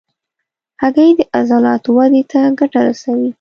هګۍ د عضلاتو ودې ته ګټه رسوي.